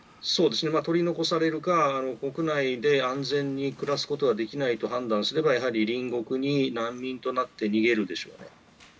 取り残されるか、国内で安全に暮らすことができないと判断すれば、隣国に難民となって逃げるでしょう。